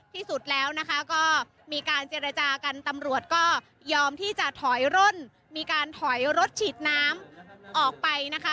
ที่สุดแล้วนะคะก็มีการเจรจากันตำรวจก็ยอมที่จะถอยร่นมีการถอยรถฉีดน้ำออกไปนะคะ